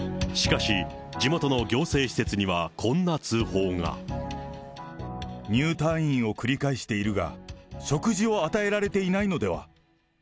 しかし、入退院を繰り返しているが、食事を与えられていないのでは？